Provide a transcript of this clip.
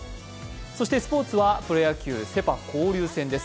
そしてスポーツはプロ野球セ・パ交流戦です。